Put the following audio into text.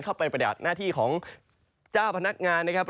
ของจ้าวพนักงาน